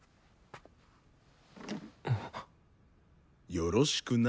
よろしくな。